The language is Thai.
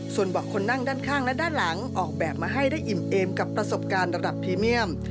ส่วนเบาะคนนั่งด้านข้างและด้านหลังออกแบบมาให้ได้อิ่มเอมกับประสบการณ์ระดับพรีเมียม